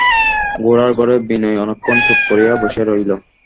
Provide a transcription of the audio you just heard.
গোরার ঘরে বিনয় অনেকক্ষণ চুপ করিয়া বসিয়া রহিল।